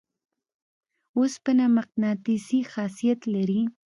اوسپنه مقناطیسي خاصیت لري.